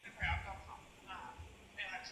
میوه مخکې له خوړلو پریمنځئ.